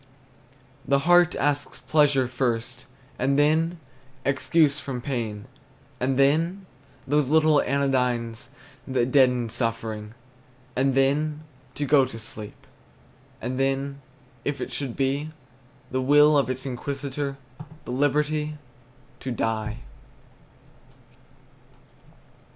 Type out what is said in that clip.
The heart asks pleasure first, And then, excuse from pain; And then, those little anodynes That deaden suffering; And then, to go to sleep; And then, if it should be The will of its Inquisitor, The liberty to die.